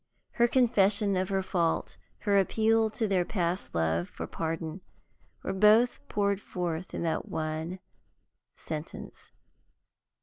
Her confession of her fault, her appeal to their past love for pardon, were both poured forth in that one sentence.